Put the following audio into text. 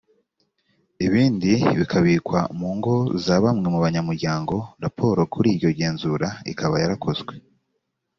ibindi bikabikwa mu ngo za bamwe mu banyamuryango raporo kuri iryo genzura ikaba yarakozwe